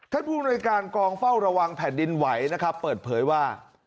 ผู้อำนวยการกองเฝ้าระวังแผ่นดินไหวนะครับเปิดเผยว่า